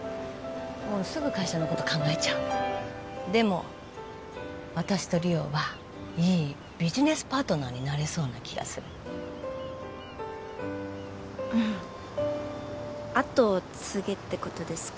すぐ会社のこと考えちゃうでも私と梨央はいいビジネスパートナーになれそうな気がする後を継げってことですか？